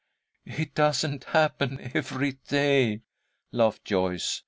"It doesn't happen every day," laughed Joyce.